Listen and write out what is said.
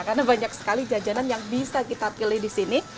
karena banyak sekali jajanan yang bisa kita pilih di sini